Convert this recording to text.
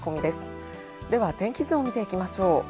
では、天気図を見ていきましょう。